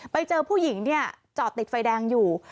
ไปเจอผู้หญิงเนี่ยจอดติดไฟแดงอยู่